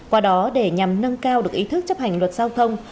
qua đó để nhằm nâng cao được ý thức chấp hành luật giao thông